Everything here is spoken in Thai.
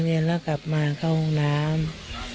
เรียนแล้วกลับมาเข้าห้องน้ำ